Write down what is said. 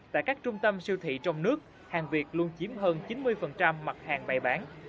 tại các trung tâm siêu thị trong nước hàng việt luôn chiếm hơn chín mươi mặt hàng bày bán